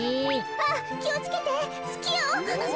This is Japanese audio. あっきをつけてつきよ。